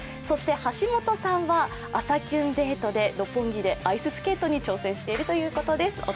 そして橋本さんは朝キュンデートで六本木でアイススケートに挑戦しているということです。